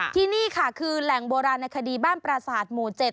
ที่นี่ค่ะคือแหล่งโบราณในคดีบ้านประสาทหมู่๗